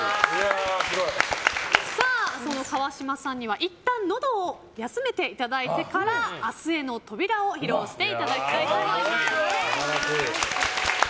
川嶋さんには、いったんのど休めていただいてから「明日への扉」を披露していただきたいと思います。